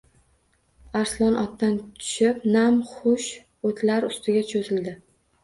Arslon otdan tushib nam-xush o‘tlar ustiga cho‘zildi.